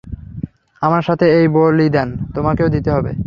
আমার সাথে এই বলিদান, তোমাকেও দিতে হবে।